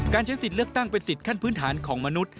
ใช้สิทธิ์เลือกตั้งเป็นสิทธิขั้นพื้นฐานของมนุษย